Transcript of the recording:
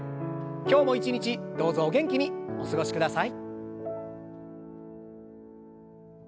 今日も一日どうぞお元気にお過ごしください。